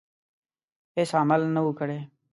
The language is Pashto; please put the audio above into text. هیڅ عمل نه وو کړی.